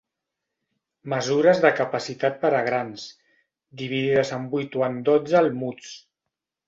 Mesures de capacitat per a grans, dividides en vuit o en dotze almuds.